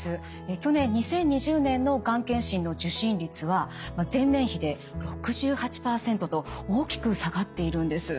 去年２０２０年のがん検診の受診率は前年比で６８％と大きく下がっているんです。